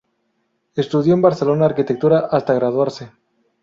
Estudió en Barcelona arquitectura hasta graduarse.